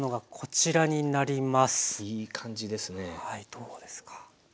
どうですか？